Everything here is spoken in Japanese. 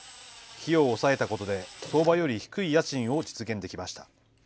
費用を抑えたことで、相場より低い家賃を実現できました。